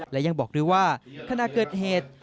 และยังบอกด้วยว่าขณะเกิดเหตุ